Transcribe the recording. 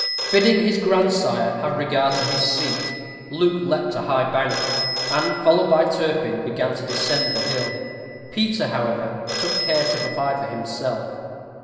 Bidding his grandsire have regard to his seat, Luke leaped a high bank; and, followed by Turpin, began to descend the hill. Peter, however, took care to provide for himself.